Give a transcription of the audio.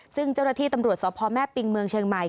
ซึ่งเจ้าหน้าที่ตำรวจสพแม่ปิงเมืองเชียงใหม่